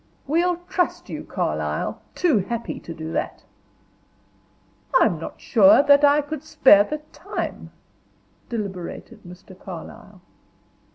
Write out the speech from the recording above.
"We'll trust you, Carlyle. Too happy to do it." "I am not sure that I could spare the time," deliberated Mr. Carlyle.